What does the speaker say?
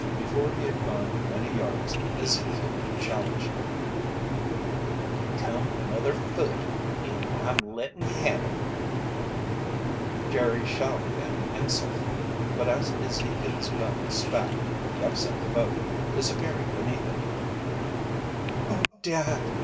Before he had gone many yards, Ezekiel challenged him. "Ye come another foot, and I'm lettin' ye have it!" Jerry shouted an insult. But as Ezekiel's gun spat, he upset the boat, disappearing beneath it. "Oh, Dad!"